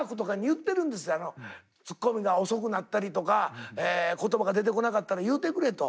ツッコミが遅くなったりとか言葉が出てこなかったら言うてくれと。